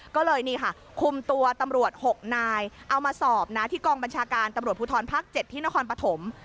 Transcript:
ก็เลยนี่ค่ะคุมตัวตำรวจ๖นายเอามาสอบนะที่กองบัญชาการตำรวจภูทรภาค๗ที่นครปฐม